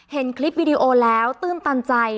เห็นคลิปวิดีโอแล้วตื้นตันใจ